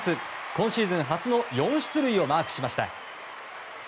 今シーズン初の４出塁をマークしました。